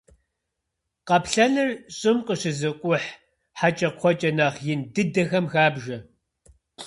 Къаплъэныр щӏым къыщызыкӏухь хьэкӏэкхъуэкӏэ нэхъ ин дыдэхэм хабжэ.